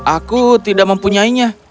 aku tidak mempunyainya